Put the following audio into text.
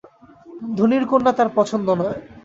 ধনীর কন্যা তাঁর পছন্দ নয়।